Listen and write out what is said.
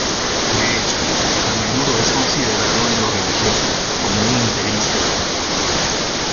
De hecho, a menudo es considerado en lo religioso como un integrista.